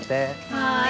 はい。